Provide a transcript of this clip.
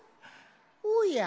おや？